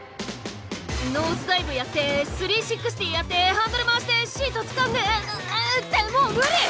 ノーズダイブやって３６０やってハンドル回してシートつかんでってもう無理！